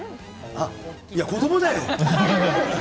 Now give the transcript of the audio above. いや、子どもだよ。